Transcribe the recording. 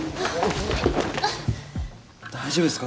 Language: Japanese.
大丈夫ですか？